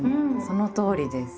そのとおりです。